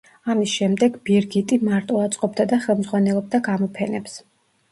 ამის შემდეგ ბირგიტი მარტო აწყობდა და ხელმძღვანელობდა გამოფენებს.